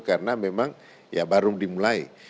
karena memang ya baru dimulai